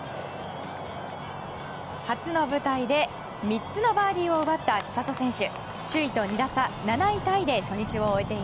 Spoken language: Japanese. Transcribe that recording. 初の舞台で３つのバーディーを奪った千怜選手。